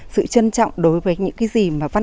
sự trân trọng đối với những cái gì mà vẫn còn